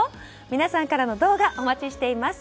皆さんからの動画お待ちしています。